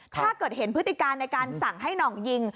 ถ้าเกิดเห็นพฤติการในการสั่งให้หน่องยิง